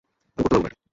আমি করতে পারবো না এটা।